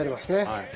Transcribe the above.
はい。